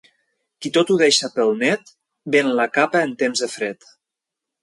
Qui tot ho deixa pel net, ven la capa en temps de fred.